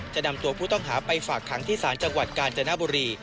จะนำตัวผู้ต้องหาไปฝากขังที่ศาลจังหวัดกาญจนบุรี